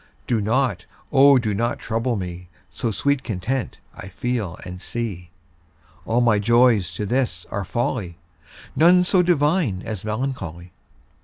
Do not, O do not trouble me, So sweet content I feel and see. All my joys to this are folly, None so divine as melancholy.